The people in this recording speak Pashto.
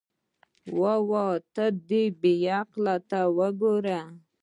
واه واه، ته دې بې عقلۍ ته وګوره.